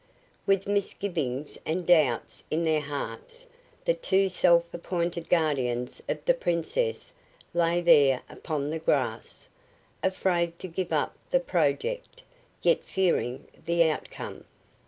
With misgivings and doubts in their hearts the two self appointed guardians of the Princess lay there upon the grass, afraid to give up the project, yet fearing the outcome.